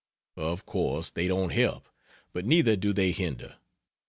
Of course they don't help, but neither do they hinder.